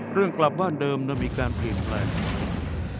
เรื่องกลับบ้านเดิมนะมีแค่ผิดแปลก